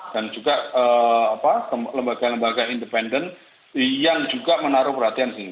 dan juga lembaga lembaga independen yang juga menaruh perhatian di sini